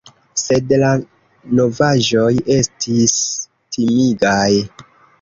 Sed la novaĵoj estis timigaj.